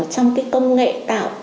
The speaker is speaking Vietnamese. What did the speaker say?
trong cái công nghệ tạo